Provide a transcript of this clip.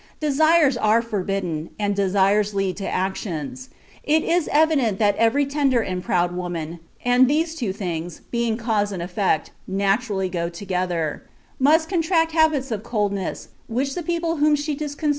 Desires are forbidden, and desires lead to actions. It is evident that every tender and proud woman and these two things, being cause and effect, naturally go together must contract habits of coldness which the people whom she disconcerts call prudery.